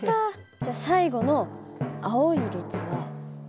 じゃ最後の青い列は２個。